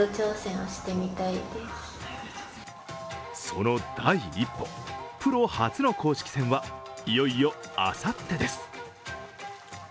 その第一歩、プロ初の公式戦はいよいよあさってです。